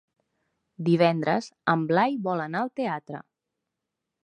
Divendres en Blai vol anar al teatre.